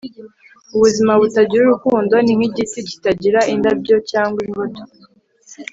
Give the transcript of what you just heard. ubuzima butagira urukundo ni nk'igiti kitagira indabyo cyangwa imbuto